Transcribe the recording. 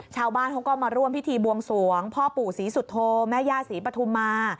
ชาวบ้านเขาก็มาร่วมพิธีบวงสวงพ่อปู่ศรีสุโธแม่ย่าศรีปฐุมา